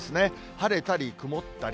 晴れたり曇ったり。